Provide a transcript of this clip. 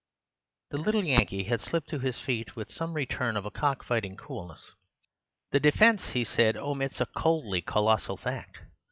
The little Yankee had slipped to his feet with some return of a cock fighting coolness. "The defence," he said, "omits a coldly colossal fact.